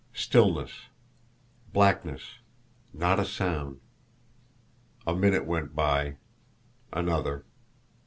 Stillness! Blackness! Not a sound! A minute went by another.